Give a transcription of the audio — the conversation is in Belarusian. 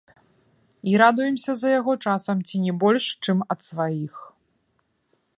І радуемся за яго часам ці не больш, чым ад сваіх.